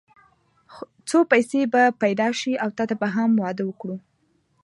څو پيسې به پيدا شي او تاته به هم واده وکړو.